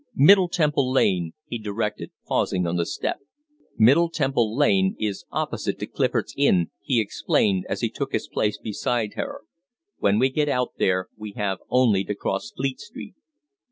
"Middle Temple Lane!" he directed, pausing on the step. "Middle Temple Lane is opposite to Clifford's Inn," he explained as he took his place beside her. "When we get out there we have only to cross Fleet Street."